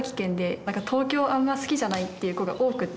なんか東京あんま好きじゃないっていう子が多くって。